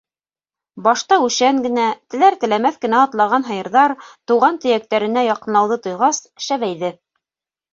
Башта үшән генә, теләр-теләмәҫ атлаған һыйырҙар, тыуған төйәктәренә яҡынлауҙы тойғас, шәбәйҙе.